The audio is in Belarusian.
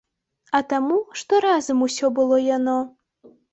А таму, што разам усё было яно.